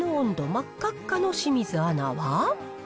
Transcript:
真っ赤っかの清水アナは。